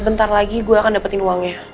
bentar lagi gue akan dapetin uangnya